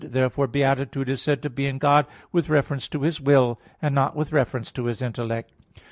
Therefore beatitude is said to be in God with reference to His will, and not with reference to His intellect.